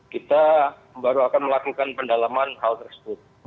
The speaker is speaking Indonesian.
kita baru akan melakukan pendalaman hal tersebut